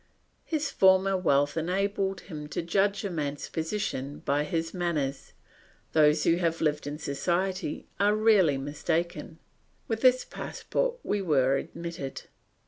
His former wealth enabled him to judge a man's position by his manners; those who have lived in society are rarely mistaken; with this passport we were admitted.